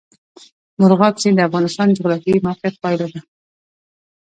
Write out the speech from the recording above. مورغاب سیند د افغانستان د جغرافیایي موقیعت پایله ده.